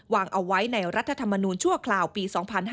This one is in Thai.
วางเอาไว้ในรัฐธรรมนูญชั่วคราวปี๒๕๕๙